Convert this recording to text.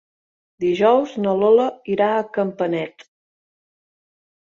Dijous na Lola irà a Campanet.